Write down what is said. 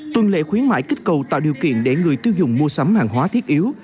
tuần lệ khuyến mại kích cầu tạo điều kiện để người tiêu dùng mua sắm hàng hóa thiết yếu